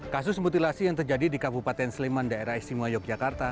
kasus mutilasi yang terjadi di kabupaten sleman daerah istimewa yogyakarta